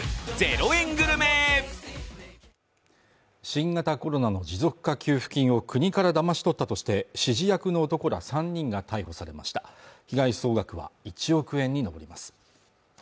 新型コロナの持続化給付金を国からだまし取ったとして指示役の男ら３人が逮捕されました被害総額は１億円に上ります